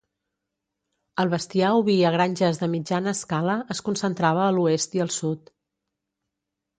El bestiar oví a granges de mitjana escala es concentrava a l'oest i al sud.